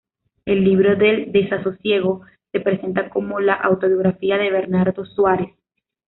El "Libro del Desasosiego" se presenta como la autobiografía de Bernardo Soares.